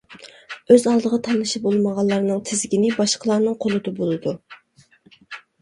ئۆز ئالدىغا تاللىشى بولمىغانلارنىڭ تىزگىنى باشقىلارنىڭ قولىدا بولىدۇ.